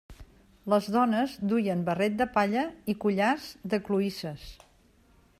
Les dones duien barret de palla i collars de cloïsses.